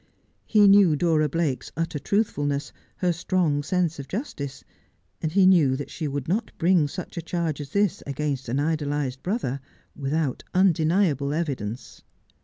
He knew Dora Blake's utter truthfulness, her strong sense of justice ; and he knew that she would not bring such a charge as this against an idolized brother without undeniable evidence.